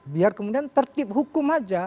biar kemudian tertib hukum aja